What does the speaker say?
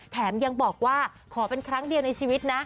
แถมยังบอกว่าขอเป็นครั้งเดียวในชีวิตนะ